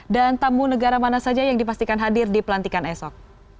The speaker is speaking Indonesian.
dan tamu negara mana saja yang dipastikan hadir di pelantikan esok